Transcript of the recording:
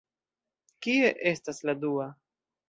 Kie estas la dua?